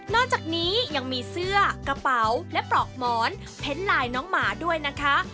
อกจากนี้ยังมีเสื้อกระเป๋าและปลอกหมอนเพ้นลายน้องหมาด้วยนะคะ